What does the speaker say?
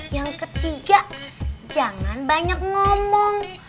yang ketiga jangan banyak ngomong